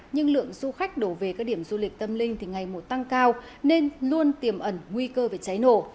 nhưng lượng du khách đổ về các điểm du lịch tâm linh thì ngày một tăng cao nên luôn tiềm ẩn nguy cơ về cháy nổ